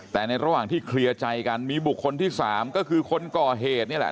แต่ในระหว่างที่เคลียร์ใจกันมีบุคคลที่สามก็คือคนก่อเหตุนี่แหละ